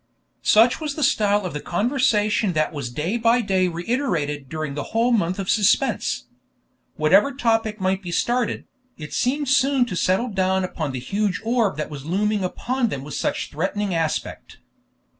Such was the style of the conversation that was day by day reiterated during the whole month of suspense. Whatever topic might be started, it seemed soon to settle down upon the huge orb that was looming upon them with such threatening aspect.